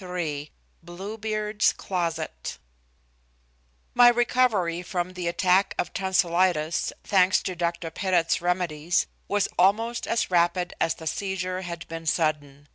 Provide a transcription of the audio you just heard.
XXIII "BLUEBEARD'S CLOSET" My recovery from the attack of tonsilitis, thanks to Dr. Pettit's remedies, was almost as rapid as the seizure had been sudden.